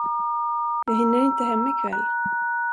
Jag hinner inte hem ikväll.